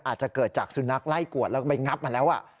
อาจจะเกิดจากสุนัขไล่กวดแล้วก็ไปงับมาแล้ว